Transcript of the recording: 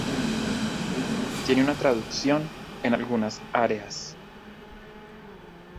Tiene una traducción en algunas áreas.